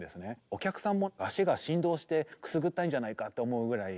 お客さんも足が振動してくすぐったいんじゃないかと思うぐらい。